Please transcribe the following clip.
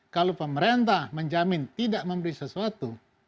kalau pemerintah menjamin tidak memberi sesuatu